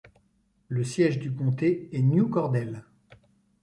Le siège du comté est New Cordell.